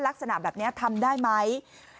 ลักษณะแบบนี้ทำได้ไหม